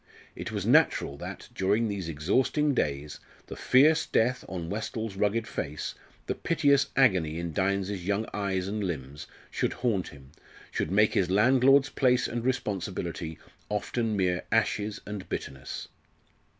It was natural that, during these exhausting days, the fierce death on Westall's rugged face, the piteous agony in Dynes's young eyes and limbs, should haunt him, should make his landlord's place and responsibility often mere ashes and bitterness.